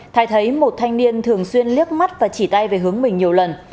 thái thấy một thanh niên thường xuyên liếc mắt và chỉ tay về hướng mình nhiều lần